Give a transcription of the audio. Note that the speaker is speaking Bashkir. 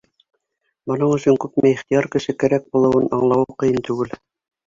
Бының өсөн күпме ихтыяр көсө кәрәк булыуын аңлауы ҡыйын түгел.